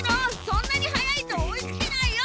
そんなに速いと追いつけないよ！